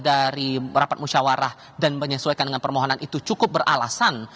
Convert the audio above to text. dari rapat musyawarah dan menyesuaikan dengan permohonan itu cukup beralasan